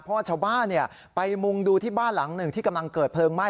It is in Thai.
เพราะว่าชาวบ้านไปมุงดูที่บ้านหลังหนึ่งที่กำลังเกิดเพลิงไหม้